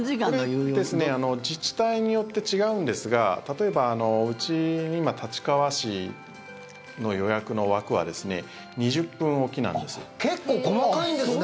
自治体によって違うんですが例えばうち今、立川市の予約の枠は結構細かいんですね。